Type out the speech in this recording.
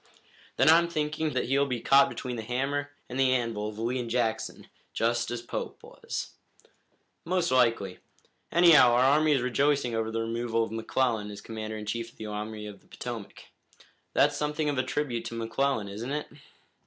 "Then I'm thinking that he'll be caught between the hammer and the anvil of Lee and Jackson, just as Pope was." "Most likely. Anyhow, our army is rejoicing over the removal of McClellan as commander in chief of the Army of the Potomac. That's something of a tribute to McClellan, isn't it?"